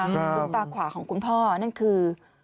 ของดวงตาขวาของพ่อนั่นคือ